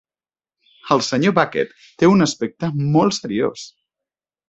El senyor Bucket té un aspecte molt seriós.